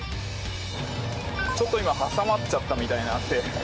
ちょっと今、挟まっちゃったみたいなんで。